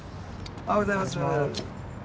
おはようございます。